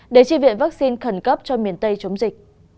để tri viện vaccine khẩn cấp cho miền tây chống dịch